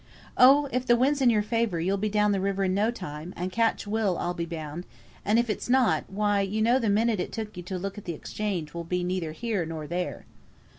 "Oh! if the wind's in your favour, you'll be down the river in no time, and catch Will, I'll be bound; and if it's not, why, you know, the minute it took you to look at the Exchange will be neither here nor there."